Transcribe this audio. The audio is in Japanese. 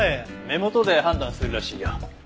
目元で判断するらしいよ。